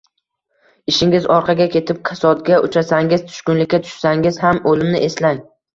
Ishingiz orqaga ketib, kasodga uchrasangiz, tushkunlikka tushsangiz ham o‘limni eslang.